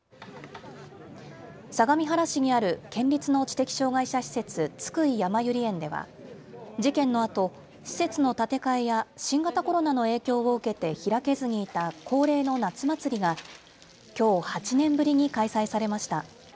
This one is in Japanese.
相模原市にある県立の知的障害者施設、津久井やまゆり園では事件のあと施設の建て替えや新型コロナの影響を受けて開けずにいた恒例の夏祭りがきょう８年ぶりに開催されました。